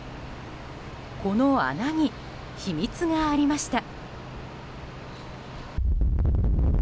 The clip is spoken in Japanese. この穴に秘密がありました。